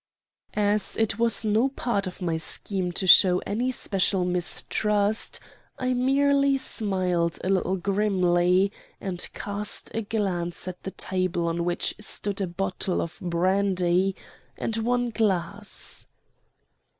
"As it was not part of my scheme to show any special mistrust, I merely smiled a little grimly, and cast a glance at the table on which stood a bottle of brandy and one glass.